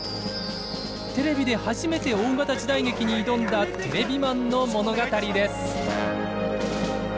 テレビで初めて大型時代劇に挑んだテレビマンの物語です。